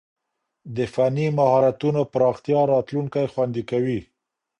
د فني مهارتونو پراختيا راتلونکی خوندي کوي.